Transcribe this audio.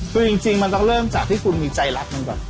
คือจริงมันต้องเริ่มจากที่คุณมีใจรักมันก่อน